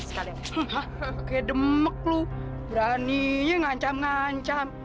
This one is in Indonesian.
hah kayak demek lu beraninya ngancam ngancam